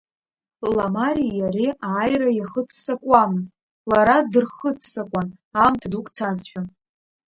Ламареи иареи ааира иахыццакуамызт, лара дырхыццакуан, аамҭа дук цазшәа.